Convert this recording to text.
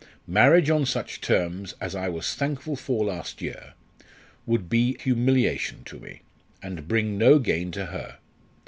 Marriage on such terms as I was thankful for last year, would be humiliation to me, and bring no gain to her.